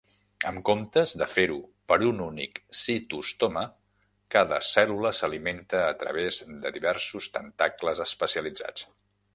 En comptes de fer-ho per un únic citostoma, cada cèl·lula s'alimenta a través de diversos tentacles especialitzats.